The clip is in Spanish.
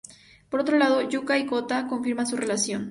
Por otro lado, Yuka y Kōta confirman su relación.